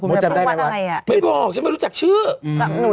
คุณว่าชื่อวัดอะไรอ่ะไม่บอกฉันไม่รู้จักชื่ออืมหนู